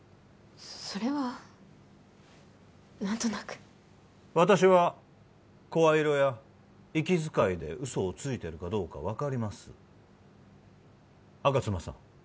それは何となく私は声色や息遣いで嘘をついてるかどうか分かります吾妻さん